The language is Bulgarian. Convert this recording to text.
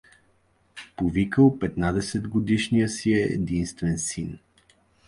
Повикал петнадесетгодишния си единствен син.